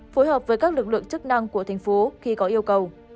phối hợp với các lực lượng chức năng của thành phố khi có yêu cầu